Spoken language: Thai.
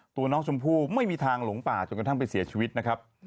ตัวน้องชมพู่ไม่มีทางหลงป่าจนกระทั่งไปเสียชีวิตนะครับ